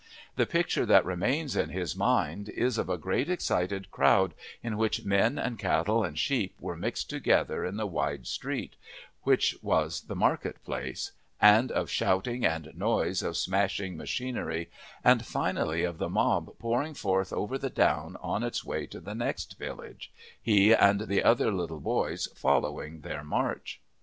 The picture that remains in his mind is of a great excited crowd in which men and cattle and sheep were mixed together in the wide street, which was the market place, and of shouting and noise of smashing machinery, and finally of the mob pouring forth over the down on its way to the next village, he and other little boys following their march.